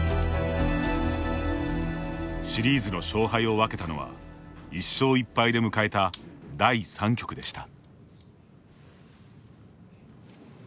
シリーズの勝敗を分けたのは１勝１敗で迎えた第３局でした。